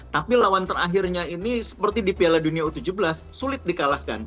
tapi lawan terakhirnya ini seperti di piala dunia u tujuh belas sulit di kalahkan